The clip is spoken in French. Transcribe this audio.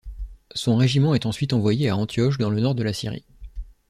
Son régiment est ensuite envoyé à Antioche dans le nord de la Syrie.